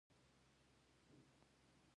د بدخشان په یمګان کې د قیمتي ډبرو نښې دي.